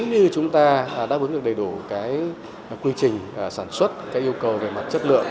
đáp ứng được đầy đủ cái quy trình sản xuất cái yêu cầu về mặt chất lượng